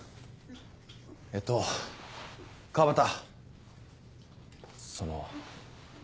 えっと川端その。